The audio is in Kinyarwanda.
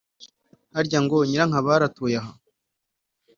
Harya ngo nyirankabari atuye aha